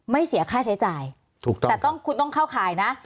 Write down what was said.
ไม่เสียค่าใช้จ่ายแต่คุณต้องเข้าข่ายนะ